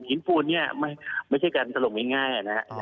หินฟูนนี่เป็นการสลมง่ายนะครับ